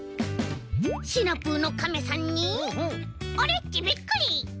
シナプーのカメさんにオレっちびっくり！